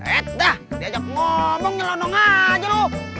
eh dah diajak ngomongnya lho nonga aja lu